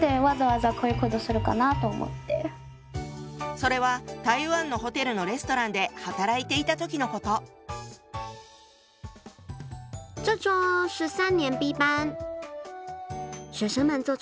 それは台湾のホテルのレストランで働いていた時のこと。をしていました。